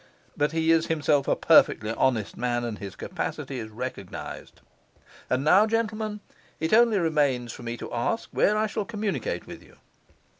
'But he is himself a perfectly honest man, and his capacity is recognized. And now, gentlemen, it only remains for me to ask where I shall communicate with you.